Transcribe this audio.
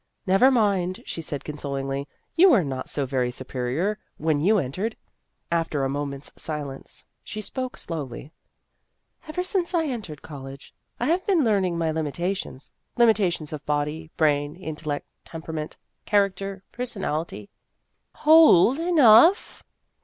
" Never mind," she said consolingly, "you were not so very superior when you entered." After a moment's silence, she spoke slowly :" Ever since I entered college, I have been learning my limitations limitations of body, brain, intellect, temperament, character, personality A Superior Young Woman 187 " Hold enough